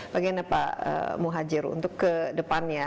bagian apa muhajir untuk ke depannya